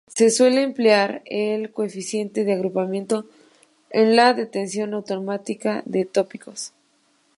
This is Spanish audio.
Se suele emplear el coeficiente de agrupamiento en la detección automática de tópicos.